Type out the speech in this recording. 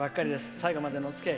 最後までのおつきあい